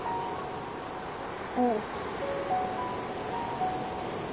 うん。